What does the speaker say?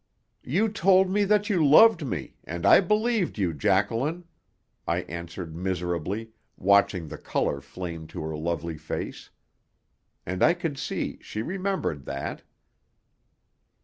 "You told me that you loved me, and I believed you, Jacqueline," I answered miserably, watching the colour flame to her lovely face. And I could see she remembered that.